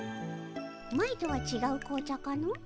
前とはちがう紅茶かの？